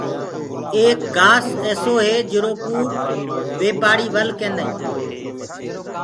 ايڪ گھآس ايسو هي جرو ڪوُ بي پآڙي ول ڪيندآ هينٚ۔